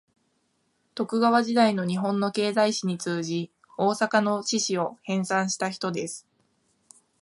徳川時代の日本の経済史に通じ、大阪の市史を編纂した人です